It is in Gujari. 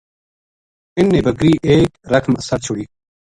اِ ن نے بکری ایک رکھ ما سَٹ چھُڑی